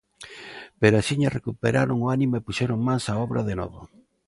Pero axiña recuperaron o ánimo e puxeron mans á obra de novo.